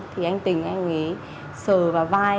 thì anh tình anh ấy sờ vào vai